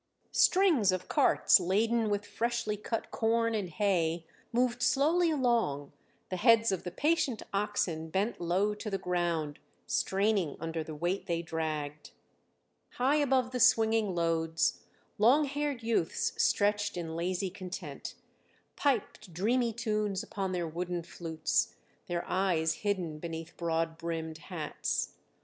Strings of carts laden with freshly cut corn and hay moved slowly along, the heads of the patient oxen bent low to the ground, straining under the weight they dragged. High above the swinging loads long haired youths stretched in lazy content, piped dreamy tunes upon their wooden flutes, their eyes hidden beneath broad brimmed hats.